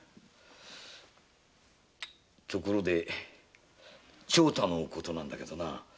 ところで長太のことなんだけどな。